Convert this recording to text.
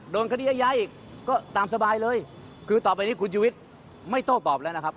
โดนคดีอายาอีกก็ตามสบายเลยคือต่อไปนี้คุณชุวิตไม่โต้ตอบแล้วนะครับ